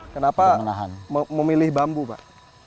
kenapa memilih bambu pak